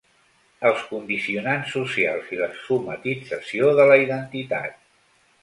Els condicionants socials i la "somatització" de la identitat.